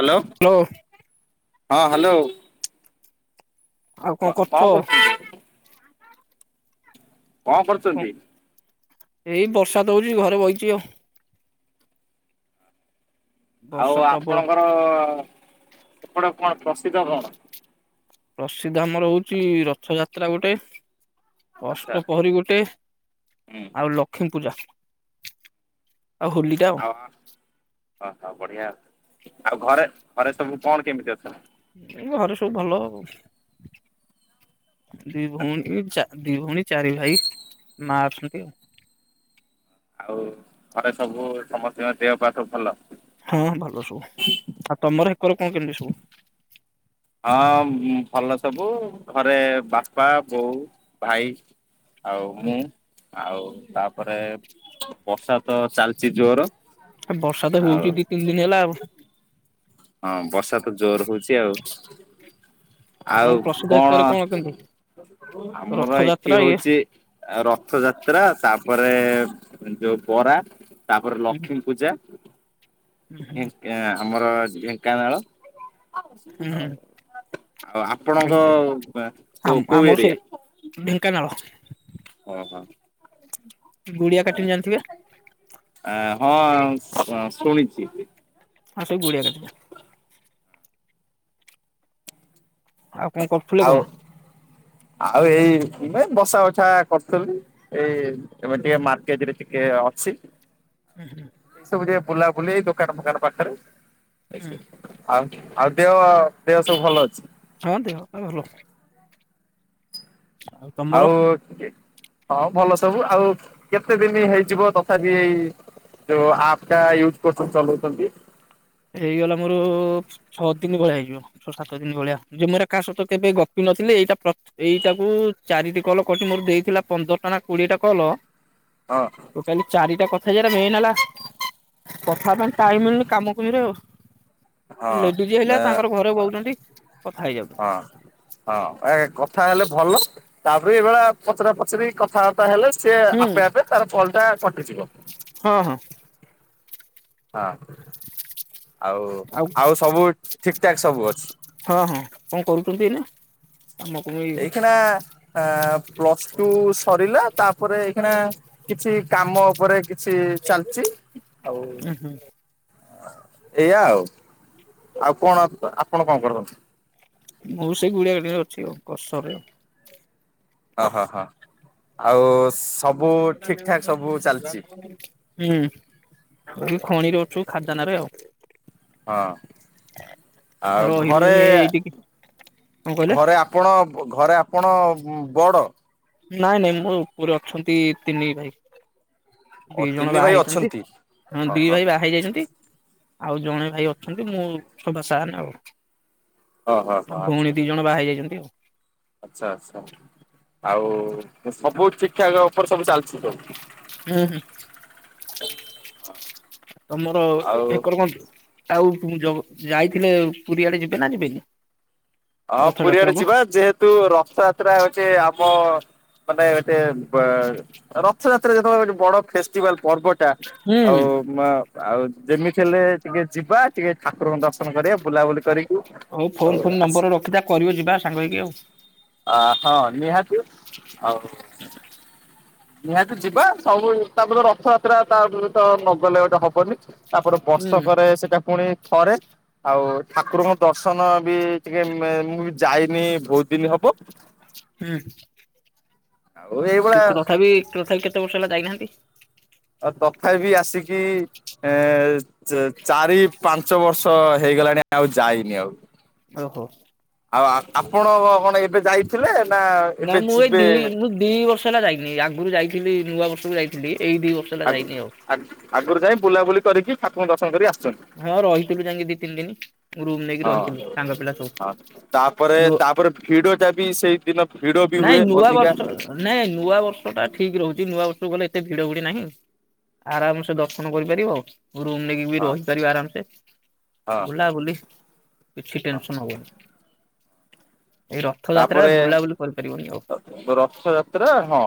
ହାଲେ hello ହଁ ହାଲେ। ଆଉ କଣ କରୁଛ? କଣ କରୁଛନ୍ତି? ଏଇ ବର୍ଷା ତ ହେଉଛି ଘରେ ବଇଛି ଆଉ। ଆଉ ବର୍ଷା ପ୍ରବଳ। ଆପଣଙ୍କର ସପଟେ କଣ ପ୍ରସିଦ୍ଧ କଣ? ପ୍ରସିଦ୍ଧ ଆମର ହଉଛି ରଥଯାତ୍ରା ଗୋଟେ। ଆଚ୍ଛା ଅଷ୍ଟପହରୀ ଗୋଟେ ହୁଁ ଆଉ ଲ ଲକ୍ଷ୍ମୀ ପୂଜା ଆଉ ହୋଲିିଟା। ହ ଓ ହ ବଢିଆ ଆଉ ଘରେ ଘରେ ସବୁ କଣ କେମିତି ଅଛନ୍ତି। ଘରେ ସବୁ ଭଲ ଆଉ। ଦି ଭଉଣୀ ଦି ଭଉଣୀ ଚାରି ଭାଇ ମା ଅଛନ୍ତି ଆଉ ଆଉ ମାନେ ସବୁ ସମସ୍ତଙ୍କ ଦେହ ପା ସବୁ ଭଲ। ହଁ ଭଲ ସବୁ ଆଉ ତମର ଏକର କଣ କେମିତି ସବୁ। ହଁ ଭଲ ସବୁ ଘରେ ବାପା ବୋଉ ଭାଇ ଆଉ ମୁଁ ଆଉ ତାପରେ ବର୍ଷା ତ ଚାଲିଛି ଜୋର। ବର୍ଷା ତ ଆଉ ହଉଛି ଦି ତିନି ଦିନ ହେଲା ଆଉ। ହଁ ବର୍ଷା ତ ଜୋର ହଉଚି ଆଉ। ଆଉ ତମର ପ୍ରସିଦ୍ଧ କଣ ହେକରେ କେମିତି? ଅଛି? ଆମର ଏଇଠି ରଥଯାତ୍ରା ଇଏ ହଉଛି ଆଉ ରଥ ଯାତ୍ରା ତାପରେ ଯୋଉ ବରା ତାପରେ ହୁଁ ଲକ୍ଷ୍ମୀ ପୂଜା। ହୁଁ ଆମର ଢେଙ୍କାନାଳ। ହୁଁ ଆଉ ଆପଣଙ୍କ ହୁଁ। କୋଉ ଆମ- କୋଉ ଆମର ସେଇ ଏରିଆ? ଢେଙ୍କାନାଳ। ଓହୋ। ଗୁଡିଆ କାଟେଣି ଜାଣିଥିବେ? ଆ ହଁ ମୁଁ ଶୁଣିଛି। ହଁ ସବୁ ଗୁଡିଆ କାଟେଣି ଆଉ କଣ କରୁଥିଲେ ଆଉ କଣ? ଆଉ ଏଇଠି ବସା ଉଠାକରୁଥିଲୁ। ଏଇ ଏବେ ଟିକେ ମାର୍କେଟ ରେ ଟିକେ ଅଛି। ହୁଁ ହୁଁ। ସବୁ ଟିକେ ବୁଲା ବୁଲି ଦୋକାନ ଫେକାନ ପାଖରେ। ହୁଁ ଆଉ ଆଉ ଦେହ ଦେହ ସବୁ ଭଲ ଅଛି। ହଁ ଦେହ ପା ଭଲ ଅଛି। ହଉ [unintelligible] ଆଉ ହଁ ଭଲ ସବୁ ଆଉ କେତେ ଦିନ ହେଇଯିବ ତଥାପି ଇ ଯେଉ ଆପ ଟା ୟୁଜ କରୁଛନ୍ତି ଚଲଉଛନ୍ତି। ହେଇଗଲା ମୋର ଛଅ ଦିନ ଭଳିଆ ହେଇଯିବ। ଛ ସାତ ଦିନ ଭଳିଆ ଯେ ଏରା କାହା ସହିତ କେବେ ଗପିନଥିଲି ଏଇଟା ଏଇଟାକୁ ଚାରିଟି କଲ କରିଛି ମୋର ଦେଇଥିଲା ପନ୍ଦରଟା ନା କୋଡିଏ ଟା କଲ। ହଁ ଟୋଟାଲି ଚାରିଟା କଥା ମେନ୍ ହେଲା କଥା ପାଇଁ ଟାଇମ ମିଳନି କାମ ହିରେ ହଁ ଲେଡିଜ ନା ହେଲା ତାଙ୍କର ଘରେ ବହୁଛନ୍ତି କଥା ହେଇଯାଉଛନ୍ତି। ହଁ ଆ କଥା ହେଲେ ଭଲ ତାପରେ ଏଭଳି ପଚରା ପଚାରି କଥାବାର୍ତ୍ତୀ ହେଲେ ସିଏ ହୁଁ ଆପେ ଆପେ ତାର କଲ ଟା କଟିଯିବ। ହଁ ହଁ। ହଁ ଆଉ ଆଉ ସବୁ ଠିକଠାକ୍ ସବୁ ଅଛି। ହଁ ହଁ କଣ କରୁଛନ୍ତି ଏଇନା। କାମ କୁମି ହୁଁ ଏଇଖିଣା ପ୍ଲସ ଟୁ ସରିଲା ତାପରେ ଏଇଖିଣା କିଛି କାମ ଉପରେ କିଛି ଚାଲିଛି ଆଉ ହୁଁ ଏଇଆ ଆଉ ଆଉ କଣ ଆପଣ କଣ କରନ୍ତି? ମୁଁ ସେଇ ଗୁଡିଆ ଗଡିଆରେ ଅଛି ଆଉ କସର ରେ। ଅ ହ ହଁ ଆଉ ସବୁ ଠିକ ଠାକ ସବୁ ଚାଲିଛି। [inaudible] ହୁଁ ଏଇ ଖଣିରେ ଅଛୁ ଖାଦାନରେ ଆଉ। ହଁ ଆଉ ରହିଲୁଣି ଘରେ ଏଇଠିକି କଣ କହିଲେ ଘରେ ଆ ପଣ ଘରେ ଆପଣ ବଡ଼। ନାଇଁ ନାଇଁ ମୋ ଉପରେ ଅଛନ୍ତି ତିନି ଭାଇ। ଓ ଦି ଜଣ ତିନି ବାହା ଭାଇ ହେଇଛନ୍ତି ଅଛନ୍ତି। ହଁ ଦି ଭାଇ ବାହା ହେଇ ଯାଇଛନ୍ତି। ଆଉ ଜଣେ ଭାଇ ଅଛନ୍ତି ମୁଁ ସଭା ସାନ ଆଉ। ହଁ ହଁ ହଁ ଆ ଆଚ୍ଛା ଭଉଣୀ ଦି ଜଣ ବାହାର ହେଇ ଯାଇଛନ୍ତି ଆଉ। ଆଚ୍ଛା ଆଛା ଆଉ ସବୁ ଠିକ ଠାକ ଉପରେ ସବୁ ଚାଲିଛି ସବୁ। ହୁଁ ହୁଁ। ତମର ଏ ଆଉ କ କଣ କୁହନ୍ତୁ? ଆଉ ଯୋଉ ଯାଇଥିଲେ ପୁରୀଆଡେ ଯିବେ ନା ଯିବେନି? ହଁ ରଥଯାତ୍ରା ପୁରୀଆଡେ କୁ ଯିବା ଯେହେତୁ ରଥଯାତ୍ରା ହଉଛି ଆମ ମାନେ ଗଟେ ବେ ରଥଯାତ୍ରା ଯେତେବେଳେ ଗୋଟେ ବଡ ଫେସ୍ଟିଭାଲ ପର୍ବ ଟା ଆଉ ହୁଁ। ମ ଆଉ ଯେମିତି ହେଲେ ଟିକେ ଯିବା ଟିକେ ଠାକୁରଙ୍କ ଦର୍ଶ ନ କରିବା ବୁଲାବୁଲି କରିକି ହଉ ଫୋନ ଆଉ ଫୋନ ଆସ ନମ୍ବର ରଖିଥା କରିବ ଯିବା ସାଙ୍ଗ ହେଇକି ଆଉ। ଅ ହଁ ନିହାତି ଆଉ। ନିହାତି ଯିବା, ସବୁ ତାପରେ ରଥଯାତ୍ରା ତାରେ ତ ନଗଲେ ଗୋଟେ ହବନି। ତାପରେ ହୁଁ ବର୍ଷକରେ ସେଟା ପୁଣି ଥରେ, ଆଉ ଠାକୁରଙ୍କ ଦର୍ଶନ ବି ଇଏ ବେ ମୁଁ ବି ଯାଇନି ବହୁତ ଦିନ ହବ। ହୁଁ। ଆଉ କି ଏଇଭଳିଆ ତଥାପି ତଥାପି କେତେ ବର୍ଷ ହେଲା ଯାଇନାହାନ୍ତି? ଅ ତଥାପି ଆସିକି ଏ ଚ ଚାରି ପାଞ୍ଚ ବର୍ଷ ହେଇଗଲାଣି ଆଉ ଯାଇନି ଆଉ। ଓହୋ। ଆଉ ଆ ଆପଣ କଣ ଏବେ ଯାଇଥିଲେ ନା ଏବେ ଯିବେ? ଦିଇ ବର୍ଷ ହେଲା ଯାଇନି, ଆଗରୁ ଯାଇଥିଲି ନୂଆ ବର୍ଷକୁ ଯାଇଥିଲ ଏଇ ଦି ବର୍ଷ ହେଲା ଆଗ ଯାଇନି ଆଉ। ଆଗ ଆଗରୁ ଯାଇ ବୁଲାବୁଲି କରିକି ଠାକୁରଙ୍କୁ ଦର୍ଶନ କରି ଆସିଛନ୍ତି? ହଁ ରହିଥିଲୁ ଯାଇକି ଦି ତିନି ଦିନି ରୁମ ନେଇକି ରହିଥିଲୁ ସାଙ୍ଗ ପିଲା ସବୁ। ହ ତାପରେ ନୁ- ତାପରେ ଭିଡ ଟା ବି ସେଇଦିନ ଭିଡ ବି ନାଇଁ ହୁଏ ନୂଆ ବର୍ଷ ଅଧିକା। ନାଇଁ ନୂଆ ବର୍ଷ ଟା ଠିକ ରହୁଛି ନୂଆ ବର୍ଷକୁ ଗଲେ ଏତେ ଭିଡ ଭିଡି ନାହିଁ। ଆରାମସେ ଦର୍ଶନ କରିପାରିବ। ରୁମ ନେଇକି ବି ହଁ। ରହି ପାରିବି ଆରାମସେ ହଁ ବୁଲା ବୁଲି। କିଛି ଟେନସନ ହବନି, ଏଇ ରଥଯାତ୍ରା ରେ ତାପରେ ବୁଲାବୁଲି କରିପାରିବନି ଆଉ। ରଥଯାତ୍ରା ହଁ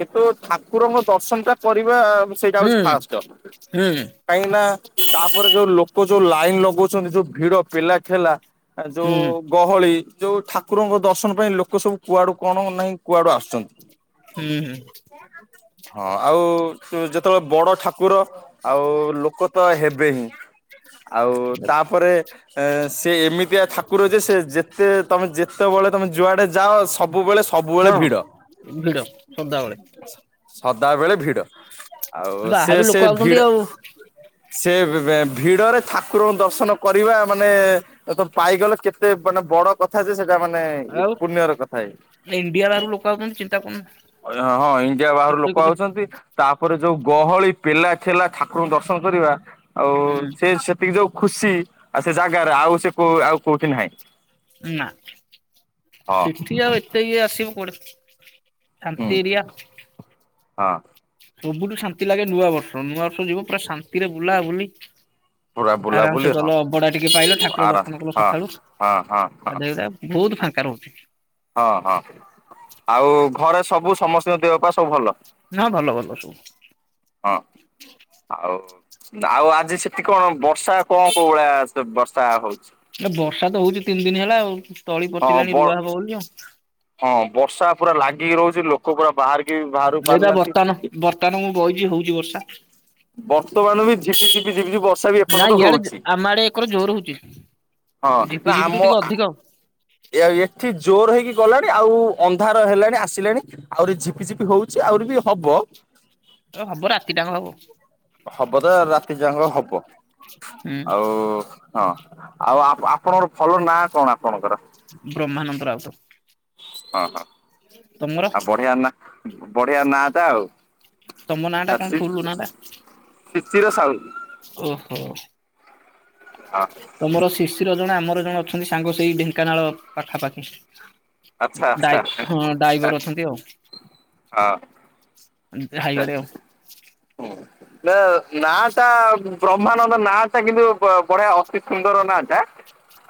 କିନ୍ତୁ ଠାକୁରଙ୍କ ଦର୍ଶନ ଟା କରିବା ସେଇଟା ହୁଁ ହଉଛି ଫାଷ୍ଟ। ହୁଁ କାହିଁକି ନା ତାପରେ ଯୋଉ ଲୋକ ଯୋଉ ଲାଇନ ଲଗଉଛନ୍ତି ଯୋଉ ଭିଡ ପେଲା ଠେଲା। ଏ ଯୋଉ ହୁଁ ଗହଳି ଯୋଉ ଠା ଠାକୁରଙ୍କ ଦର୍ଶନ ପାଇଁ ଲୋକ ସବୁ କୁଆଡୁ କଣ ନାହିଁ କୁଆଡୁ ଆସୁଛନ୍ତି। ହୁଁ ହୁଁ। ହଁ ଆଉ ଯେତେବେଳେ ବଡ ଠାକୁର ଆଉ ଲୋକ ତ ହେବେ ହିଁ। ଆଉ ତାପରେ ଏ ସେ ଏମିତିଆ ଠାକୁର ଯେ ସେ ଯେତେ ତମେ ଯେ ଯେତେବେଳେ ତମେ ଯୁଆଡେ ଯାଅ ସବୁବେଳେ ସବୁବେଳେ ହଁ ଭିଡ। ଭିଡ ସଦାବେଳେ ସଦାବେଳେ ଭିଡ ଆଉ ସେ ବାହାରୁ ସେ ଲୋକ ଆଉଛନ୍ତି ଭିଡ ଆଉ ସେ ଏ ବେ ଭିଡରେ ଠାକୁରଙ୍କ ଦର୍ଶନ କରିବା ମାନେ ତ ତ ପାଇଗଲ କେତେ ମାନେ ବଡ କଥା ଯେ ସେଟା ମାନେ ମାନେ ଆଉ ଇପୁଣ୍ୟ ର କଥା ହେଇ ଇଣ୍ଡିଆ ମୁଁ ବାହାରୁ ଲୋକ ଆଉଛନ୍ତି ଚିନ୍ତା କରୁନୁ କହିଲି ହଁ ଇଣ୍ଡିଆ ବାହାରୁ କେତେ ଲୋକ କେତେ ଆଉଛନ୍ତି। ତାପରେ ଯୋଉ ଗହଳି ପେଲା ଢେଲା ଠାକୁରଙ୍କୁ ଦର୍ଶନ କରିବା ଆଉ ହୁଁ ସେ ସେ ସିଏ ଯୋଉ ଖୁସି ଆ ସେ ଜାଗାରେ ଆଉ ସେ କୋ ଆଉ କୋଉଠି ନାହିଁ। ନା ହଁ ସେଠି ଆଉ ଏତେ ଇଏ ଆସିବ କୋଆଡେ। ହୁଁ ଶାନ୍ତିରିଆ ହଁ। ସବୁଠୁ ଶାନ୍ତି ଲାଗେ ନୂଆ ବର୍ଷ, ନୂଆବର୍ଷକୁ ଯିବ ପୁରା ଶାନ୍ତି ରେ ବୁଲାବୁଲି। ପୁରା ଆରାମସେ ବୁଲାବୁଲି ହଁ ଗଲ ଅ ବଡା ଟିକେ ପାଇଲ ଠାକୁର ଆରାମ ଦର୍ଶନ କଲ ହଁ ସକାଳୁ ହଁ ହଁ ଗାଧେଇ ଗୁଧା ବହୁତ ଫାଙ୍କା ରହୁଛି। ହଁ ହଁ ଆଉ ଘରେ ସବୁ ସମସ୍ତିଙ୍କ ଦେହ ପା ସବୁ ଭଲ। ନା ଭଲ ଭଲ ସବୁ। ହଁ। ଆଉ ଆଉ ଆଜି ସେଠି କଣ ବର୍ଷା କଁ କଣ କୋଉ ଭଳିଆ ବର୍ଷା ହଉଛି? ଏ ବର୍ଷା ତ ହଉଛି ତିନି ଦିନି ହେଲା ଆଉ ତଳି ହଁ ପଚିଲାଣି ବ ରୁଆ ହବ ବୋଲି ଆଉ। ହଁ ବର୍ଷା ପୁରା ଲାଗିକି ରହୁଛି ଲୋକ ପୁରା ବାହାରିକି ବାହାରୁ ପାରୁନାହାନ୍ତି। କାରଣ ମୁଁ ବଇଛି ହଉଛି ବର୍ଷା। ବର୍ତ୍ତମାନ ବି ଝିପି ଝିପି ଝିପିଝିପି ବର୍ଷା ବି ନା ଏପର୍ଯ୍ୟନ୍ତ ଇଆଡେ ହଉଛି। ଆମ ଆଡେ ଏକର ଜୋର ହଉଛି। ହଁ ଝିପି ନା ଝିପିଠୁ ଆମ ଟିକେ ଆ ଅଧିକ ଏଆରେ ବି ଏଠି ଜୋର ହେଇକି ଗଲାଣି ଆଉ ଅନ୍ଧାର ହେଲାଣି ଆସିଲାଣି। ଆହୁରି ଝିପି ଝିପି ହଉଛିି ଆହୁରି ବି ହବ। ଏବେ ହବ ରାତି ଟାଙ୍କ ହବ। ହବ ତ ରାତି ଯାକ ହବ ଆଉ ହଁ ଆଉ ଆ ଆପଣଙ୍କର ଭଲ ନାଁ କଣ ଆପଣଙ୍କର? ବ୍ରହ୍ମାନନ୍ଦ ରାଉତ। ହଁ ହଁ ତମର ଆଉ ବଢିଆ ନା ବଢିଆ ନାଟା ଆଉ ତମ ନାଁଟା କଣ ଫୁଲ୍ ନାଁଟା। ବିପିର ସାହୁ। ଓହୋ। ହଁ ତମର ଶିଶିର ଜଣେ ଆମର ଜଣେ ଅଛନ୍ତି ସାଙ୍ଗ ସେଇ ଢେଙ୍କାନାଳ ପାଖାପାଖି। ଆଚ୍ଛା ଡାଇ ଆଚ୍ଛା। ହଁ ଡାଇବର ଅଛନ୍ତି ଆଉ। ହଁ ହାଇୱରେ ଆଉ ସ [unintelligible] ହୁଁ ନା ନାଁଟା ବ୍ରହ୍ମାନନ୍ଦ ନାଟା କିନ୍ତୁ ବ ବଢିଆ ଅତି ସୁନ୍ଦର ନାଟା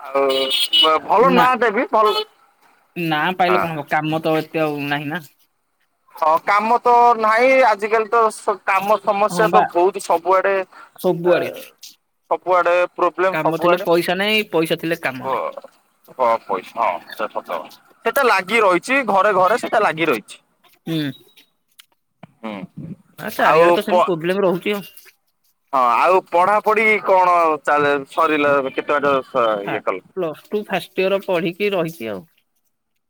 ଆଉ ଭଲ ନା ନାଁ ଦେବି ଭଲ ନା ପାଇଲେ ହଁ କଣ ହବ କାମ ତ ଏତେ ଆଉ ନାହିଁ ନା। ହଁ କାମ ତ ନାହିଁ ଆଜିକାଲି ତ ସ କାମ ହଁ ସମସ୍ୟା ବା ତ ବହୁତ ସବୁଆଡେ ଅ ସବୁଆଡେ ସବୁଆଡେ ପ୍ରୋବ୍ଲେମ କାମ ଥିଲେ ପଇସା ନାଇଁ ପଇସା ଥିଲେ କାମ ନାଇଁ ୱ। ହ ପଇସମ ସେଟା ସତ ସେଟା ଲାଗି ରହିଛି ଘରେ ଘରେ ସେଟା ଲାଗି ରହିଛି। ହୁଁ। ହୁଁ। ଆ ଚାରିଆଡେ ତ ସେମିତି ପ୍ରୋବ୍ଲେମ ରହୁଛି ଆଉ। ହଁ ଆଉ ପଢାପଢି କଣ ଚା ସରିଲା କେତେ ବାଟ ଇଏ କଲେ? ପ୍ଲସ୍ ଟୁ ଫାଶ୍ ର ପଢିକି ରହିଛି ଆଉ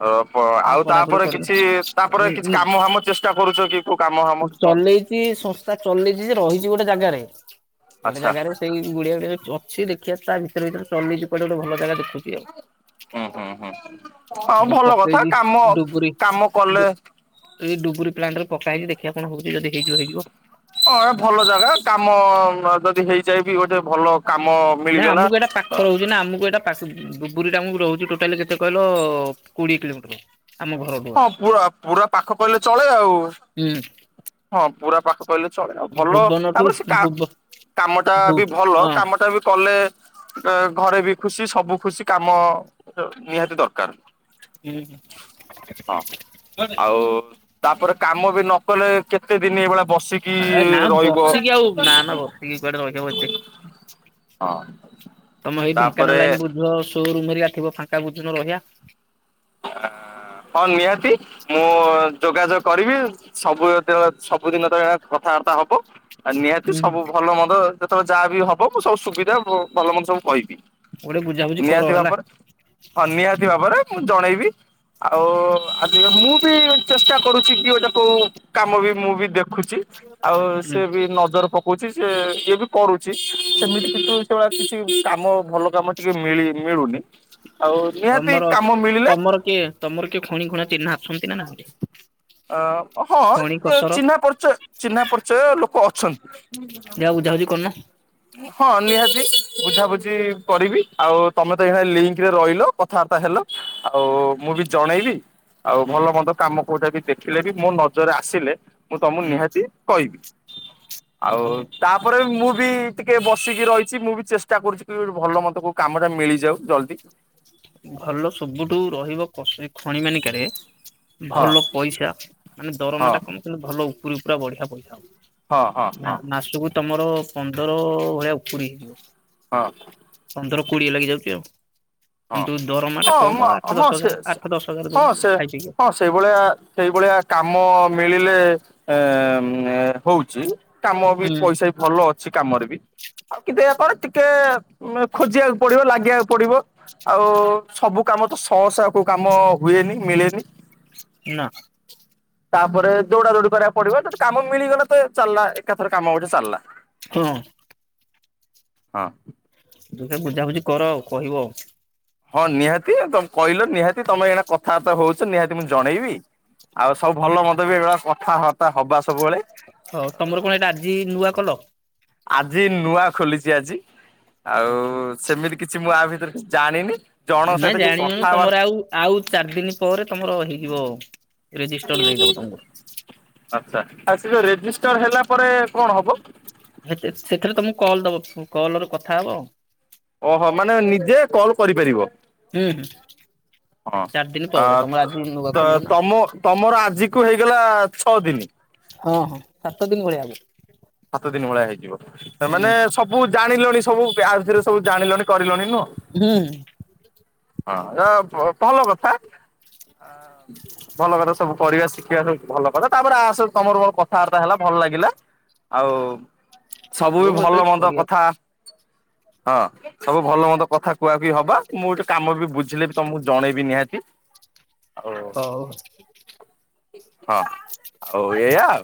ଓ ଆଉ ତାପରେ କିଛି ତାପରେ କିଛି କରିନି। କାମ ଫାମ ଚେଷ୍ଟା କରୁଛ କି କୋଉ କାମ ଫାମ କି କଣ? ଚଲେଇଛି ଶସ୍ତା ଚଲେଇଛି ଯେ ରହିଛି ଗୋଟେ ଜାଗାରେ। ଗୋଟେ ଆଚ୍ଛା ଜାଗାରେ ସେଇ ଗୁଡିଆ ଗୁଡେ ଅଛି ଦେଖିବା ତା ଭିତରେ ଭିତରେ ଚଲେଇଛି କୁଆଡେ଼ ଗୋଟେ ଭଲ ଜାଗା ଦେଖୁଛି ଆଉ। ହୁଁ ହୁଁ ହୁଁ ହଉ ଏ ଭଲ କଥା ପକେଇଛି କାମ ଡୁବୁରି କାମ ଡୁ କଲେ ଏଇ ଡୁବୁରି ପ୍ଲାଟ ପକା ହେଇଛି ଦେଖିବା କଣ ହଉଛି ଯଦି ହେଇଯିବ ହେ। ହଁ ଏ ଭଲ ଜାଗା କାମ ଯଦି ହେଇଯାଇ ବି ଗୋଟେ ଭଲ କାମ ନା ମିଳିଗଲା ଆମକୁ ଏଇଟା ପା ପାଖ ରହୁଛି ନା ଆମକୁ ଏଇଟା [unintelligible] ଆକୁ ରହୁଛି ଟୋଟାଲି କେତେ କହିଲ କୋଡ଼ିଏ କିଲୋମିଟର ଆମ ଘର ହଁ ପୁରା ପୁରା ପାଖ କହିଲେ ଚଳେ ଆଉ ହୁଁ ହଁ ପୁରା ପାଖ କହିଲେ ଚଳେ ଆଉ ଭଲ ଭୁବନଠୁ ତାପରେ ସେ କା ଭୁବ କାମଟା ଭୁ ବି ଭଲ ହଁ। କାମଟା ବି କଲେ ଘରେ ବି ଖୁସି ସବୁ ଖୁସି କାମ ନିହାତି ଦରକାର। ହୁଁ। ହଁ ଆଉ ତାପରେ କାମ ବି ନ କଲେ କେତେ ଦିନ ଏଇଭଳିଆ ବସି ନା ବସିକି ଆଉ ନା ନା ବସିକି କୁଆଡେ ରହିି ହବ ଏତେ ହଁ ତମେ ଏଇ ତାପରେ ଢେଙ୍କାନାଳ ଲାଇନ ବୁଝ ସୋରୁମ୍ ହେରିକା ଥିବ ଫାଙ୍କା ବୁଝୁନ ରହିବା। ହଁ ନିହାତି। ମୁଁ ଯୋଗାଯୋଗ କରିବି ସବୁ ସବୁଦିନ ତ କଥାବାର୍ତ୍ତା ହବ। ଆଉ ନିହାତି ହୁଁ ସବୁ ଭଲ ମନ୍ଦ ଯେତେବେଳେ ଯାହାବି ବି ହବ ମୁଁ ସବୁ ସୁବିଧା ଭଲ ମନ୍ଦ ସବୁ କହିବି। ଗୋଟେ ବୁଝାବୁଝି କର ନିହାତି ହେଲା। ଭାବରେ ହଁ ନିହାତି ଭାବରେ ମୁଁ ଜଣେଇବି। ଆଉ ଆ ମୁଁ ବି ଚେଷ୍ଟା କରୁଛି କି ଗଟା କୋଉ କାମ ବି ମୁଁ ବି ଦେ ଖୁଛି ଆଉ ହୁଁ ସେ ବି ନଜର ପ କହୁଛି ସିଏ ଇଏ ବି କରୁଛି ସେମିତି କିନ୍ତୁ ସେଭଳିଆ କିଛି କାମ ଭଲ କାମ ଟିକେ ମିଳି ମିଳୁନି। ଆଉ ନିହାତି ତମର କାମ ମିଳିଲେ ତମର କିଏ ତମର କିଏ ଖଣି ଖୁଣ ଚିହ୍ନା ଅଚନ୍ତି ନା ନାହାନ୍ତି? ଅ ହଁ ଖଣି କସର ଚିହ୍ନା ପରିଚୟ ଚିହ୍ନା ପରିଚୟ ଲୋକ ଅଛନ୍ତି। ବୁଝା ବୁଝି କରୁନ? ହଁ ନିହାତି ବୁଝା ବୁଝି କରିବି ଆଉ ତମେ ତ ଏଇ ଲିଙ୍କରେ ରହିଲ କଥାବାର୍ତ୍ତା ହେଲ। ଆଉ ମୁଁ ବି ଜଣେଇବି। ଆଉ ହୁଁ ଭଲ ମନ୍ଦ କାମ କୋଉଟା ବି ଦେଖିଲେ ବି ମୋ ନଜରରେ ଆସିଲେ ମୁଁ ତମକୁ ହୁଁ ନିହାତି କହିବି ଆଉ ହଉ। ତାପରେ ମୁଁ ବି ଟିକେ ବସିକି ରହିଛି ମୁଁ ବି ଚେଷ୍ଟା କରୁଛି କି ଭଲ ମତେ କୋଉ କାମଟା ମିଳିଯାଉ ଜଲ୍ଦି। ଭଲ ସବୁଠୁ ରହିବ କସୁରି ଖଣି ମାନିକାରେ ହଁ ଭଲ ପଇସା ମାନେ ଦରମା ହଁ ଟା କମ ଭଲ ଉପରି ଉପରା ବଢିଆ ପଇସା ହଁ ହଁ ମା ହଁ ମାସକୁ ତମର ପନ୍ଦର ଭଳିଆ ଉପୁରି ହଁ। ପନ୍ଦର କୋଡିଏ ଲାଗି ଯାଉଛି ଆଉ। ହଁ କିନ୍ତୁ ଦରମା ଟା ହଁ କମ ମ ଆଠ ହଁ ଦଶ ସେ ହଜାର ଆଠ ଦଶ ହଜାର ହଁ ଦଉଛନ୍ତି ସେ ଖାଇ ପିଇକି। ହଁ ସେ ସେଇଭଳିଆ ସେଇ ଭଳିଆ କାମ ମିଳିଲେ ଏମ୍ ଆମ୍ ହଉଛି କାମ ବି ହୁଁ ପଇସା ଭଲ ଅଛି କାମରେ ବି ଆଉ କିନ୍ତୁ ଏହା କଣ ଟିକେ ଖୋଜିବାକୁ ପଡିବ ଲାଗିବାକୁ ପଡିବ ଆଉ ସବୁ କାମ ତ ଶହ ଶ କୋଉ କାମ ହୁଏନି ମିଳେନି ନା ତାପରେ ଦୌଡା ଦୌଡି କରିବାକୁ ପଡିବ ତ କାମ ମିଳିଗଲା ତ ଚାଲିଲା ଏକାଥର କାମ ଗୋଟେ ଚାଲିଲା ହଁ ହଁ ଦେଖ ବୁଝାବୁଝି କର ଆଉ କହିବ ଆଉ ହଁ ନିହାତି, ତମ୍ କହିଲ ନିହାତି ତମେ ଏଇନା କଥାବାର୍ତ୍ତା ହୋଉଛ ନିହାତି ମୁଁ ଜଣେଇବି ଆଉ ସବୁ ଭଲ ମନ୍ଦ ବି ଏଭଳିଆ କଥାବାର୍ତ୍ତା ହବା ସବୁବେଳେ। ହଉ ତମର କଣ ଏଇଟା ଆଜି ନୂଆ କଲ? ଆଜି ନୂଆ ଖୋଲିଛି ଆଜି। ଆଉ କଲ? ସେମିତି କିଛି ମୁଁ ଆ ଭିତରେ ଜାଣିନି। ଜଣଙ୍କ ନାଇଁ ସହିତ ଟିକେ ଜାଣିବନି ତମର କଥାବାର୍ତ୍ତା ଆଉ ଆଉ ଚାରି ଦିନ ପରେ ତମର ହେଇଯିବ ଆଉ ଆଚ୍ଛା ସେ ଯଉ ରେଜିଷ୍ଟର ହେଲା ପରେ କଣ ହବ? ସେଥ୍ ସେଥିରେ ତମକୁ କଲ୍ ଦବ ପୁ କଲ ରେ କଥା ହବ ଆଉ ଓହୋଃ ମାନେ ନିଜେ କଲ୍ କରିପାରିବ? ହୁଁ ହୁଁ ହଁ ଚାରି ଦିନ ଆ ପରେ ତମର ଆଜି ନୂଆ ତ ଖୋଲିଲ ନା ତମ ତମର ଆଜି କୁ ହେଇଗଲା ଛଅ ଦିନ। ହଁ ହଁ ସାତ ଦିନ ଭଳିଆ ହେବ। ସାତ ଦିନ ଭଳିଆ ହେଇଯିବ। ସେମାନେ ହୁଁ ସବୁ ଜାଣିଲଣି? ସବୁ ଗାର୍ଯ୍ୟରେ ସବୁ ଜାଣିଲଣି, କରିଲଣି ନୁଅଁ। ହୁଁ ହଁ [unintelligible] କଥା ଆଁ ଭଲ କଥା ସବୁ ପଢିଆ, ଶିଖିଆ ସବୁ ଭଲ କଥା। ତାପରେ ଆସ ତମର ମୋର କଥାଆର୍ତ୍ତା ହେଲା, ଭଲ ଲାଗିଲା। ଆଉ ସବୁ ହଉ ବି ମୁଁ ଭଲ ଏତେବେଳେ ମନ୍ଦ କରିବାକୁ କଥା। ହଁ। ସବୁ ଭଲ ମନ୍ଦ କଥା କୁଆ କୁହି ହବା। ମୁଁ ଗୋଟେ କାମ ବି ବୁଝିଲେ ବି ତମକୁ ଜଣେଇବି ନିହାତି। ହଉ ହଉ ହଁ। ଆଉ ଏଇଆ ଆଉ